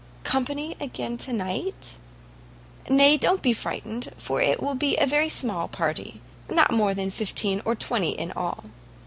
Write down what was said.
"Company again to night?" "Nay, don't be frightened, for it will be a very small party; not more than fifteen or twenty in all."